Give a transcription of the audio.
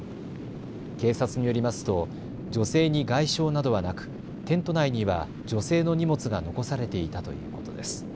警察によりますと女性に外傷などはなくテント内には女性の荷物が残されていたということです。